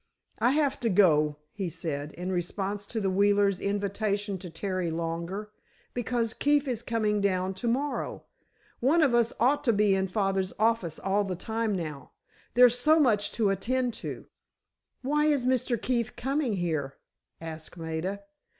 "I have to go," he said, in response to the Wheelers' invitation to tarry longer; "because Keefe is coming down to morrow. One of us ought to be in father's office all the time now, there's so much to attend to." "Why is Mr. Keefe coming here?" asked Maida.